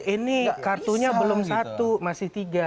ini kartunya belum satu masih tiga